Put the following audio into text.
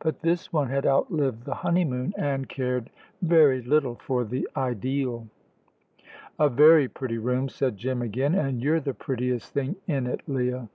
But this one had outlived the honeymoon, and cared very little for the ideal. "A very pretty room," said Jim, again; "and you're the prettiest thing in it, Leah."